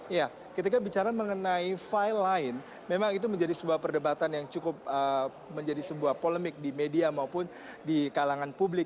ya ketika bicara mengenai file lain memang itu menjadi sebuah perdebatan yang cukup menjadi sebuah polemik di media maupun di kalangan publik